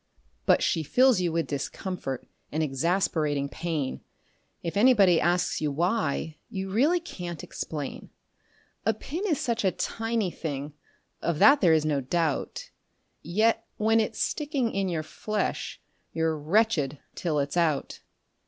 But she fills you with discomfort and exasperating pain If anybody asks you why, you really can't explain. A pin is such a tiny thing of that there is no doubt Yet when it's sticking in your flesh, you're wretched till it's out!